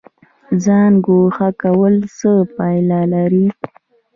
ځان ګوښه کول څه پایله لري؟